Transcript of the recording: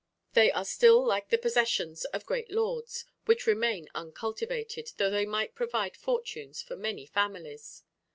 They are still like the possessions of great lords, which remain uncultivated, though they might provide fortunes for many families.